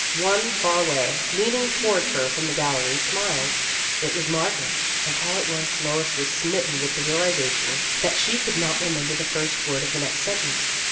One, far away, leaning toward her from the gallery, smiled. It was Margaret, and all at once Lois was smit ten with the realization that she could not remember the first word of the next sentence.